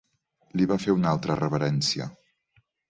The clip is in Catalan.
Li va fer una altra reverència.